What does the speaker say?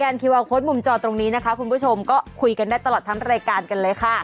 คิววาลโค้ดมุมจอตรงนี้นะคะคุณผู้ชมก็คุยกันได้ตลอดทั้งรายการกันเลยค่ะ